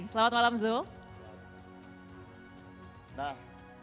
selamat malam zulf